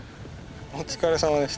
お疲れさまでした。